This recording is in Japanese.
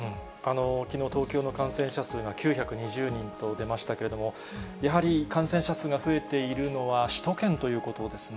きのう、東京の感染者数が９２０人と出ましたけれども、やはり感染者数が増えているのは首都圏ということですね。